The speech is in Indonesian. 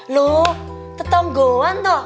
loh tetanggoan toh